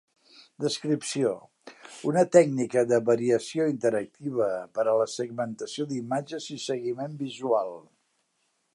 Descripció: una tècnica de variació interactiva per a la segmentació d'imatges i seguiment visual.